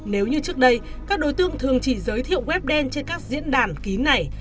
nếu như trước đây các đối tượng thường chỉ giới thiệu web đen trên các diễn đàn kín này